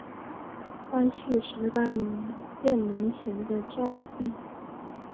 光绪十八年建门前的照壁。